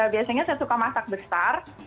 biasanya saya suka masak besar